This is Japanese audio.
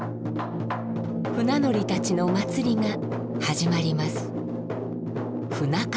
船乗りたちの祭りが始まります。